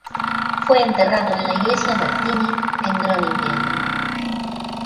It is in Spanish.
Fue enterrado en la iglesia Martini en Groningen.